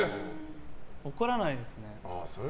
怒らないですね。